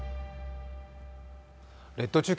列島中継